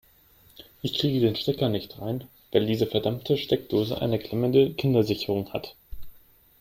Ich kriege den Stecker nicht rein, weil diese verdammte Steckdose eine klemmende Kindersicherung hat.